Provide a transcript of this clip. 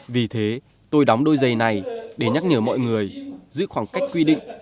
vì thế tôi đóng đôi giày này để nhắc nhở mọi người giữ khoảng cách quy định